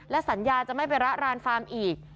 สัญญาจะไม่ไประรานฟาร์มอีก